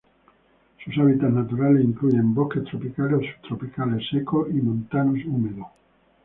Sus hábitats naturales incluyen bosques tropicales o subtropicales secos y montanos húmedos.